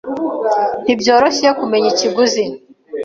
Ntibyoroshye kumenya ikiguzi.